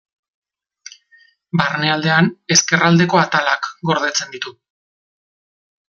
Barnealdean, ezkerraldeko atalak gordetzen ditu.